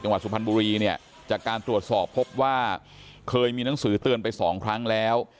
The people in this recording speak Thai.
สุพรรณบุรีเนี่ยจากการตรวจสอบพบว่าเคยมีหนังสือเตือนไปสองครั้งแล้ว